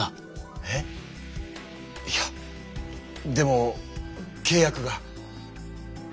えっ⁉いやでもけい約が。